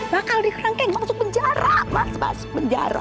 bakal di kerangkeng masuk penjara mas masuk penjara